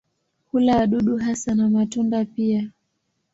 Hula wadudu hasa na matunda pia.